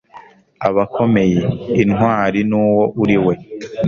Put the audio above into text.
abakomeye, intwari nuwo uriwe